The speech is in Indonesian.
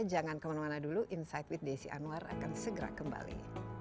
jangan kemana mana dulu insight with desi anwar akan segera kembali